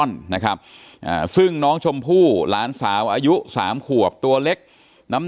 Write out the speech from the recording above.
นนะครับอ่าซึ่งน้องชมภูล้านสาวอายุสามขวบตัวเล็กน้ำ